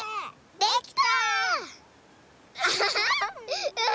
できた！